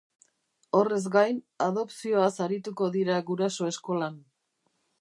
Horrez gain, adopzioaz arituko dira guraso eskolan.